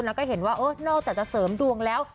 แล้วก็เห็นว่านอกจากจะเสริมดวงแล้ว